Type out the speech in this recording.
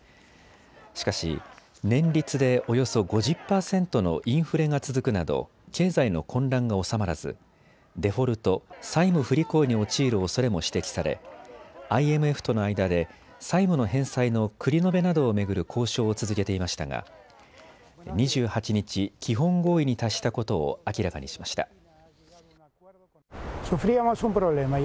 しかし、年率でおよそ５０％のインフレが続くなど、経済の混乱が収まらずデフォルト・債務不履行に陥るおそれも指摘されＩＭＦとの間で債務の返済の繰り延べなどを巡る交渉を続けていましたが２８日、基本合意に達したことを明らかにしました。